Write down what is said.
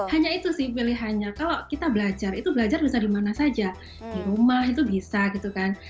hanya itu sih pilihannya kalau kita belajar itu belajar bisa dimana saja di rumah itu bisa gitu kan